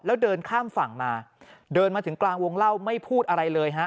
แล้วเดินข้ามฝั่งมาเดินมาถึงกลางวงเล่าไม่พูดอะไรเลยฮะ